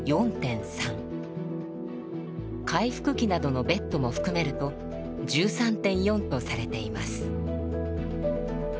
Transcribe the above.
回復期などのベッドも含めると１３．４とされています。